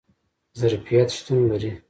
ظرفیت شتون لري